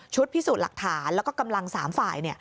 พิสูจน์หลักฐานแล้วก็กำลัง๓ฝ่าย